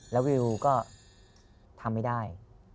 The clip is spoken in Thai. แล้ววิวก็ทำไม่ได้